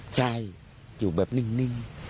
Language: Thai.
ใช่อยู่แบบนิ่ง